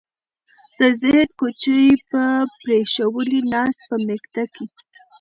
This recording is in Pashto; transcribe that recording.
د زهد کوڅې یې پرېښوولې ناست په میکده کې